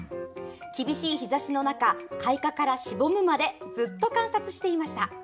厳しい日差しの中開花から、しぼむまでずっと観察していました。